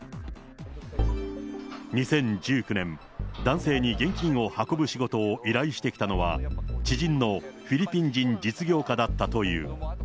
２０１９年、男性に現金を運ぶ仕事を依頼してきたのは、知人のフィリピン人実業家だったという。